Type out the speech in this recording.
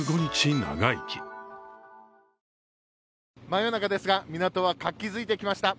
真夜中ですが、港は活気づいてきました。